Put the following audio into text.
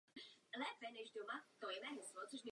Je velmi složité dosáhnout správného označování.